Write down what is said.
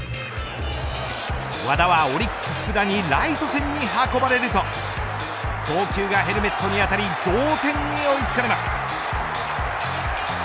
和田はオリックス福田にライト線に運ばれると送球がヘルメットに当たり同点に追い付かれます。